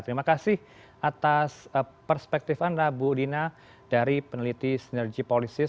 terima kasih atas perspektif anda bu dina dari peneliti sinergi polisis